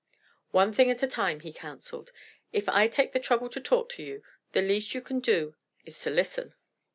"One thing at a time," he counselled. "If I take the trouble to talk to you, the least you can do is to listen....